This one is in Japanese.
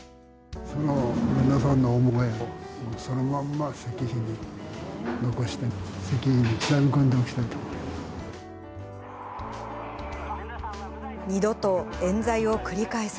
免田さんの思いをそのまま石碑に残して、石碑に刻み込んでおきたいと思います。